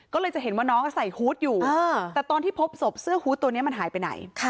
ก็เลยจะเห็นว่าน้องใส่ฮูตอยู่แต่ตอนที่พบศพเสื้อฮูตตัวนี้มันหายไปไหน